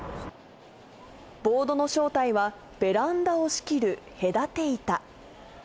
ボードの正体は、ベランダを仕切る隔て板。